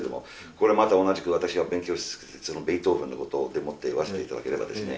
これまた同じく私はベートーベンのことでもって言わせて頂ければですね